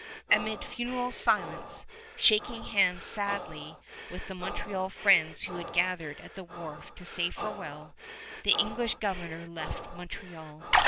Amid funereal silence, shaking hands sadly with the Montreal friends who had gathered at the wharf to say farewell, the English Governor left Montreal.